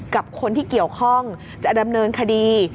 กับคนที่เกี่ยวข้องจะดำเนินคดี